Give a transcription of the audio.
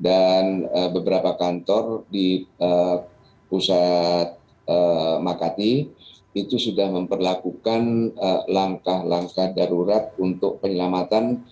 dan beberapa kantor di pusat makati itu sudah memperlakukan langkah langkah darurat untuk penyelamatan